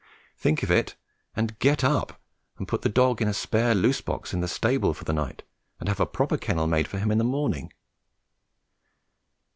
Think of it, and get up and put the dog in a spare loose box in the stable for the night, and have a proper kennel made for him in the morning.